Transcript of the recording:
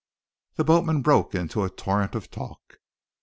The boatman broke into a torrent of talk.